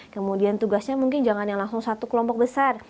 kemudian tugasnya mungkin jangan yang langsung satu kelompok besar